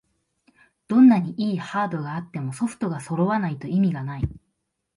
どんなに良いハードがあってもソフトがそろわないと意味がない